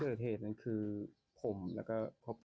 พิกเจอร์เทจนั้นคือผมแล้วก็